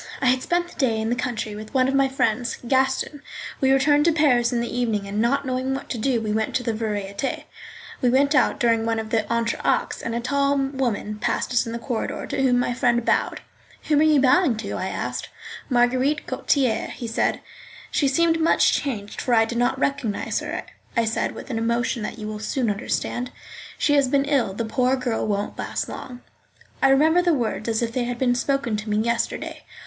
I had spent the day in the country with one of my friends, Gaston R—. We returned to Paris in the evening, and not knowing what to do we went to the Variétés. We went out during one of the entr'actes, and a tall woman passed us in the corridor, to whom my friend bowed. "Whom are you bowing to?" I asked. "Marguerite Gautier," he said. "She seems much changed, for I did not recognise her," I said, with an emotion that you will soon understand. "She has been ill; the poor girl won't last long." I remember the words as if they had been spoken to me yesterday.